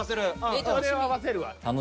うんそれを合わせるわ。